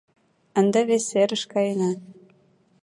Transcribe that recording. Ынде вес серыш каена.